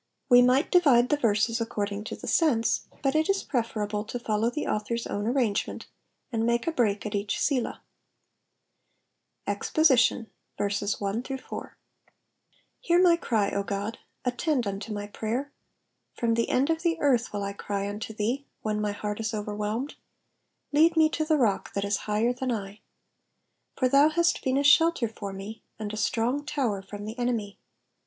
'* We might divide tfie verses according to the sense, but it is preferable to follow the author's own arrangement, and make a break at each Selah. EXPOSITION. HEAR my cry, O God ; attend unto my prayer. 2 From the end of the earth will I cry unto thee, when my heart is overwhelmed : lead me to the rock i/uzt is higher than I. 3 For thou hast been a shelter for me, and a strong tower from the enemy.